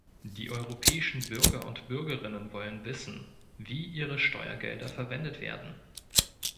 Die europäischen Bürger und Bürgerinnen wollen wissen, wie ihre Steuergelder verwendet werden.